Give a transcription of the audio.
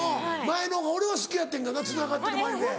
前のほうが俺は好きやってんけどつながった眉毛。